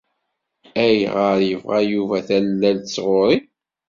Ayɣer yebɣa Yuba tallalt sɣur-i?